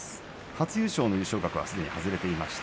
初優勝の優勝額はすでに外れています。